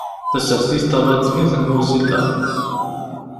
Tasertit tabaḍnit n Mozilla.